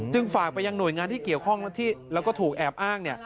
ฝากไปยังหน่วยงานที่เกี่ยวข้องแล้วก็ถูกแอบอ้าง